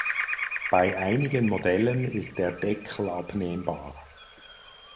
Bei einigen Modellen ist der Deckel abnehmbar.